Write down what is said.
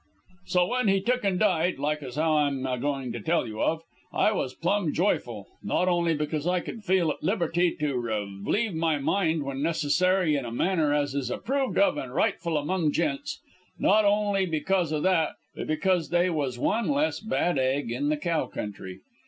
"So when he took an' died like as how I'm a going to tell you of, I was plumb joyful, not only because I could feel at liberty to relieve my mind when necessary in a manner as is approved of and rightful among gents not only because o' that, but because they was one less bad egg in the cow country.